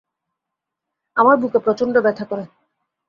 আমার বুকে প্রচন্ড ব্যথা করে।